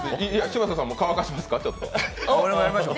嶋佐さんも乾かしますか？